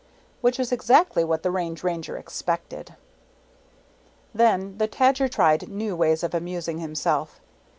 Which was exactly what the Range Ranger expected. Then the Tadger tried new ways of amusing himself.